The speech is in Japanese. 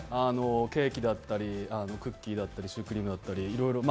ケーキだったりクッキーだったりシュークリームだったり、いろいろ。